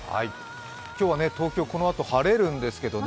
今日は東京、このあと晴れるんですけどね